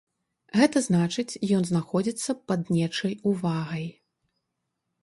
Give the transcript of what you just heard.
Гэта значыць ён знаходзіцца пад нечай увагай.